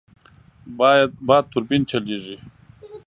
باد توربین چلېږي.